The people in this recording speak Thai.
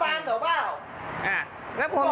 แล้วเดี๋ยวเล่าความคลิปกันก่อน